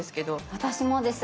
私もです。